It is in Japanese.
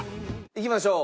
いきましょう。